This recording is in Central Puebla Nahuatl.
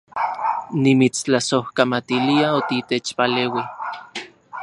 Nimitstlasojkamatilia otitechpaleui